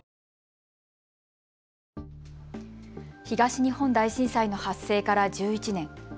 東日本大震災の発生から１１年。